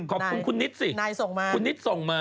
ขอบคุณคุณนิดสิคุณนิดส่งมานายส่งมา